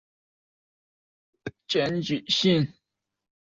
但民进党中央党部完全没有回应此检举信。